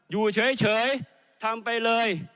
อยู่เฉยทำไปเลย